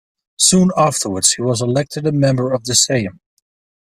Soon afterwards he was elected a member of the Sejm.